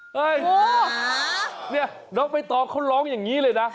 เนี่ยเราก็ไปต่อเขาร้องอย่างนี้เลยนะ